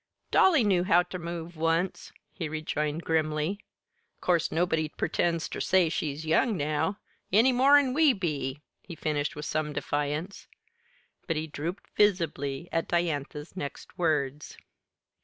"Dolly knew how ter move once," he rejoined grimly. "'Course nobody pretends ter say she's young now, any more 'n we be," he finished with some defiance. But he drooped visibly at Diantha's next words.